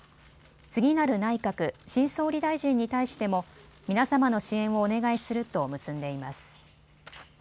次なる内閣、新総理大臣に対しても皆様の支援をお願いすると結んでいます。